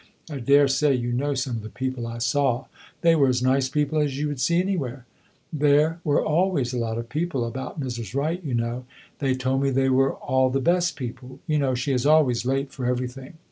I dare say you know some of the people I saw; they were as nice people as you would see anywhere. There were always a lot of people about Mrs. Wright, you know; they told me they were all the best people. You know she is always late for everything.